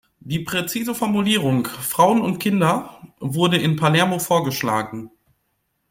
Die präzise Formulierung "Frauen und Kinder" wurde in Palermo vorgeschlagen.